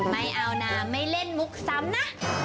ไม่เอานะไม่เล่นมุกซ้ำนะ